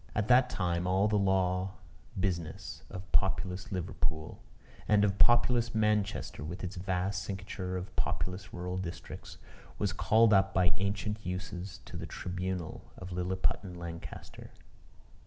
At that time all the law business of populous Liverpool, and of populous Manchester, with its vast cincture of populous rural districts, was called up by ancient usage to the tribunal of Lilliputian Lancaster.